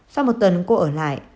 sau một tuần cô ở lại